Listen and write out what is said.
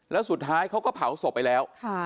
แล้วสุดท้ายเขาก็เผาศพไปแล้ว